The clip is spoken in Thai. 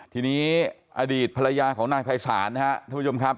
ทีนี้อดีตภรรยาของนายภัยศาลนะครับท่านผู้ชมครับ